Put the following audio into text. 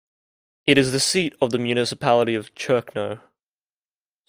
It is the seat of the Municipality of Cerkno.